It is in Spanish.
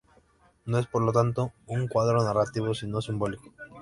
No es, por lo tanto, un cuadro narrativo, sino simbólico.